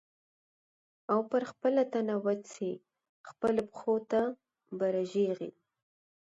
او پر خپله تنه وچ سې خپلو پښو ته به رژېږې